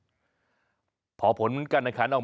ก็อย่าลืมให้กำลังใจเมย์ในรายการต่อไปนะคะ